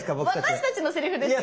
私たちのセリフですよね。